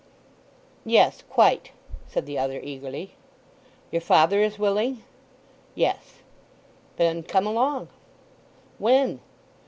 "Yes, quite," said the other eagerly. "Your father is willing?" "Yes." "Then come along." "When?"